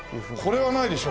これはないでしょ？